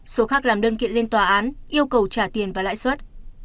số khác làm đơn kiện lên tòa án yêu cầu trả tiền và lãi suất